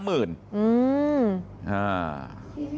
อืม